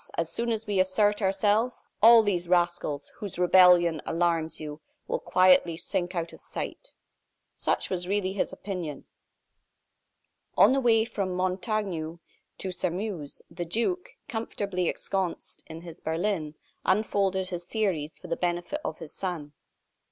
As soon as we assert ourselves, all these rascals, whose rebellion alarms you, will quietly sink out of sight." Such was really his opinion. On the way from Montaignac to Sairmeuse, the duke, comfortably ensconced in his berlin, unfolded his theories for the benefit of his son.